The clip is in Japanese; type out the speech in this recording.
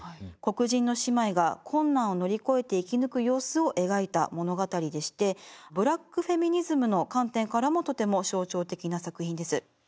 黒人の姉妹が困難を乗り越えて生き抜く様子を描いた物語でしてブラック・フェミニズムの観点からもとても象徴的な作品です。